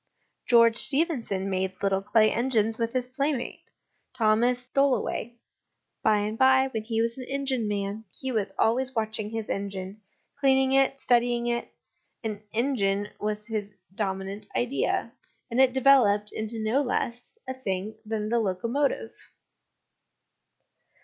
George Stephenson made little clay engines with his playmate, Thomas Tholoway ; by and by, when he was an engineman, he was always watching his engine, cleaning it, studying it ; an engine was his dominant idea, and it developed into no less a thing than the locomotive.